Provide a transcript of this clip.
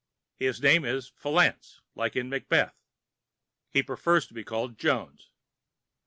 His name is Fleance, like in "Macbeth." He prefers to be called Jones.